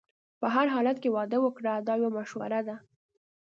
په هر حالت کې واده وکړه دا یو مشوره ده.